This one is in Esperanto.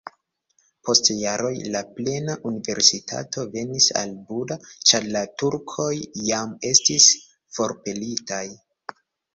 Post jaroj la plena universitato venis al Buda, ĉar la turkoj jam estis forpelitaj.